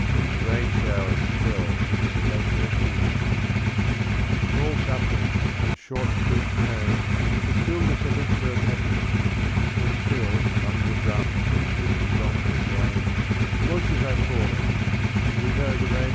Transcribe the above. The rain showers fell to dissipate their fears ; Small suffering and short lived pain distil This elixir of happiness, and still Among the drums and crystal gongs of rain Voices are calling and we know the rain 76 Et in Arcadia, Omnes.